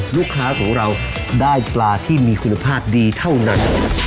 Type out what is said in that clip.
ลูกค้าของเราได้ปลาที่มีคุณภาพดีเท่านั้น